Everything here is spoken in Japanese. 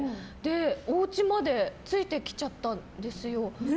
おうちまでついてきちゃったんですよ。